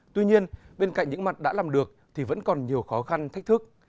tuy nhiên bên cạnh những mặt đã làm được thì vẫn còn nhiều khó khăn thách thức